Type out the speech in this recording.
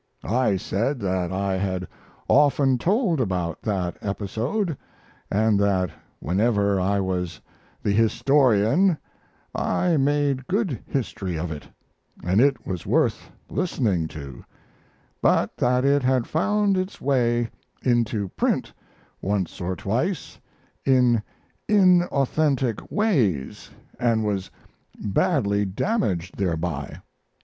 I said that I had often told about that episode, and that whenever I was the historian I made good history of it and it was worth listening to, but that it had found its way into print once or twice in unauthentic ways and was badly damaged thereby.